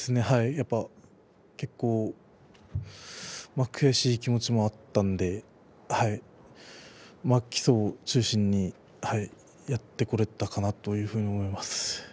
やっぱり結構悔しい気持ちもあったので基礎を中心にやってこられたかなというふうに思います。